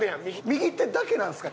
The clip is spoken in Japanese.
右手だけなんですか？